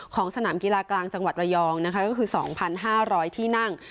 สนามกีฬากลางจังหวัดระยองนะคะก็คือ๒๕๐๐ที่นั่ง